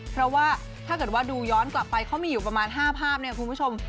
เพราะว่าถ้าเกิดว่าดูย้อนกลับไปเขามีอยู่ประมาณ๕ภาพเนี่ยคุณผู้ชม